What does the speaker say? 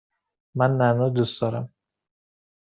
من نعنا دوست دارم.